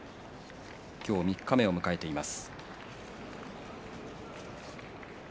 今日三日目を迎えています。